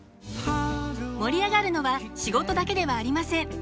盛り上がるのは仕事だけではありません。